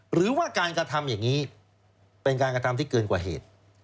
หรือว่าการกระทำอย่างนี้เป็นการกระทำที่เกินกว่าเหตุ